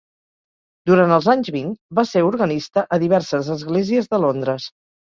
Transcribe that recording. Durant els anys vint, va ser organista a diverses esglésies de Londres.